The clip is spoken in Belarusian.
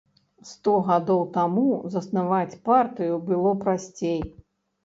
Сто гадоў таму заснаваць партыю было прасцей.